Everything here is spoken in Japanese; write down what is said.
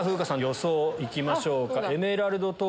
予想いきましょうか。